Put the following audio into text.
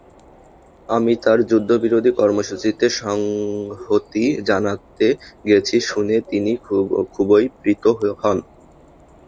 আমি তাঁর যুদ্ধবিরোধী কর্মসূচিতে সংহতি জানাতে গেছি শুনে তিনি খুবই প্রীত হন।